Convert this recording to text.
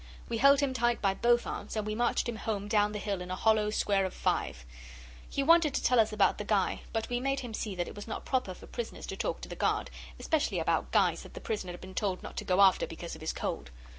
We held him tight by both arms, and we marched him home down the hill in a hollow square of five. He wanted to tell us about the guy, but we made him see that it was not proper for prisoners to talk to the guard, especially about guys that the prisoner had been told not to go after because of his cold.